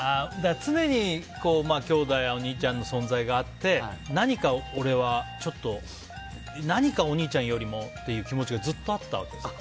常に兄弟お兄ちゃんの存在があって何かお兄ちゃんよりもという気持ちがずっと、あったわけですか？